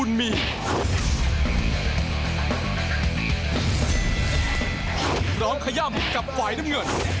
จอมขย่ามกับไฟน้ำเงิน